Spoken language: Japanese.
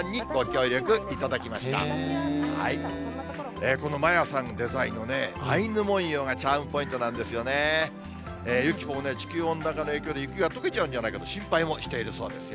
ゆきポも地球温暖化の影響で、雪がとけちゃうんじゃないかと、心配もしているそうですよ。